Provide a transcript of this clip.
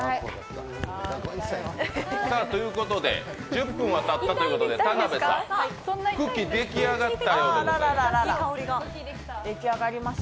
１０分たったということで田辺さん、クッキー出来上がったようであります。